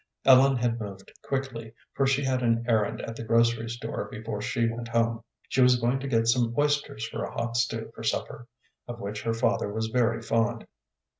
Ellen had moved quickly, for she had an errand at the grocery store before she went home. She was going to get some oysters for a hot stew for supper, of which her father was very fond.